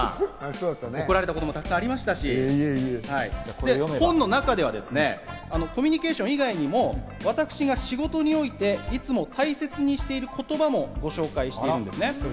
怒られたこともたくさんありましたし、本の中ではコミュニケーション以外にも私が仕事において、いつも大切にしている言葉もご紹介しているんですね。